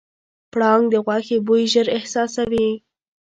پړانګ د غوښې بوی ژر احساسوي.